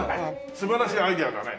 素晴らしいアイデアだね。